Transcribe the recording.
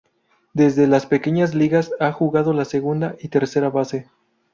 Desde las pequeñas ligas a jugado la segunda y tercera base.